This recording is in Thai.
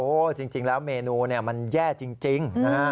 โอ้จริงแล้วเมนูมันแย่จริง